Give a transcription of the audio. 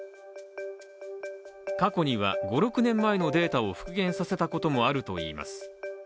過去には５６年前のデータを復元させたこともあるといいます。